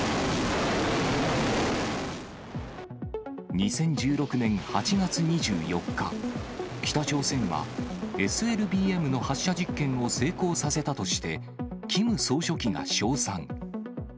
２０１６年８月２４日、北朝鮮はＳＬＢＭの発射実験を成功させたとして、キム総書記が称賛。